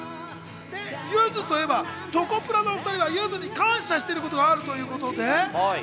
ゆずといえばチョコプラの２人はゆずに感謝してることがあるんだよね。